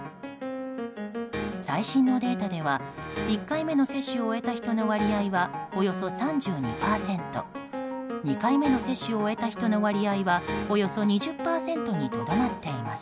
最新のデータでは１回目の接種を終えた人の割合はおよそ３２％２回目の接種を終えた人の割合はおよそ２０％にとどまっています。